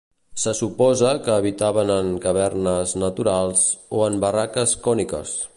Se suposa que habitaven en cavernes naturals o en barraques còniques.